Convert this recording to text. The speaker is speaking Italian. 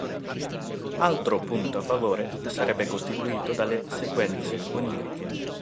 Altro punto a favore sarebbe costituito dalle "sequenze oniriche".